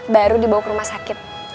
baru dibawa ke rumah sakit